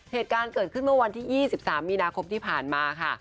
เหตุการณ์เกิดขึ้นเมื่อวันที่๒๓มีนาคมที่ผ่านมาค่ะ